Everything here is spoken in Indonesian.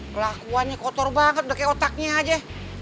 pelakuannya kotor banget udah kayak otaknya aja